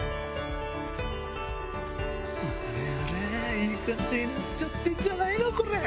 いい感じになっちゃってんじゃないのこれ。